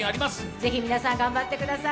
ぜひ皆さん、頑張ってください。